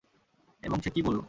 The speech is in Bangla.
এবং সে কি বললো?